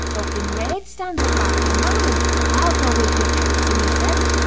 So Kinraid stands up like a man, an' "I'll go with yo', captain," he says.